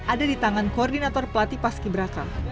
ada di tangan koordinator pelatih pas kiberaka